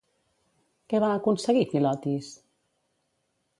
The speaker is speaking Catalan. Què va aconseguir Philotis?